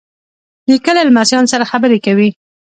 نیکه له لمسیانو سره خبرې کوي.